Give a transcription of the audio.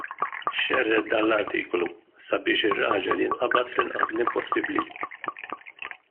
Xerred dan l-artiklu sabiex ir-raġel jinqabad fl-inqas żmien possibbli.